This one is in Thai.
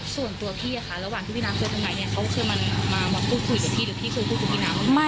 ส่วนตัวพี่อะค่ะระหว่างที่พี่น้ำเจอตรงไหนเนี่ยเขาเคยมาพูดคุยกับพี่หรือพี่เคยพูดกับพี่น้ำ